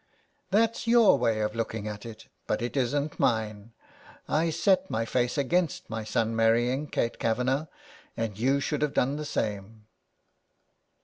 ''That's your way of looking at it; but it isn't mine. I set my face against my son marrying Kate Kavanagh, and you should have done the same."